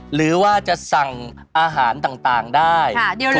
หรือว่าจะสั่งอาหารต่างได้